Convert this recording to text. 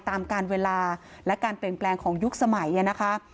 ตามการเวลาและการเปลี่ยนแปลงของยุคสมัยนะคะ